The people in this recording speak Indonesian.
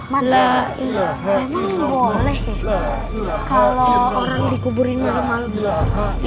memang boleh ya kalau orang dikuburin malam malam